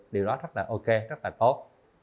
điều đó rất là ok rất là tốt